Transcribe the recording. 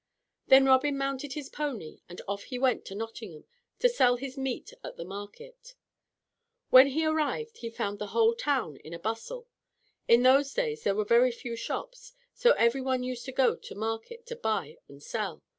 Then Robin mounted his pony and off he went to Nottingham to sell his meat at the market. When he arrived he found the whole town in a bustle. In those days there were very few shops, so every one used to go to market to buy and sell.